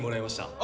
あ！